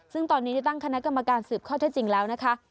ซึ่งตอนนี้ได้ตั้งคณะกรรมการสืบข้อเท็จจริงแล้วนะคะ